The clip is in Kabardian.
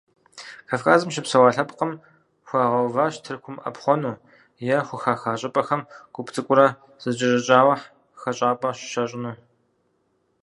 Кавказым щыпсэуа лъэпкъым хуагъэуващ Тыркум Ӏэпхъуэну, е хухаха щӀыпӀэхэм гуп цӀыкӀуурэ зэкӀэщӀэкӀауэ хэщӀапӀэ щащӀыну.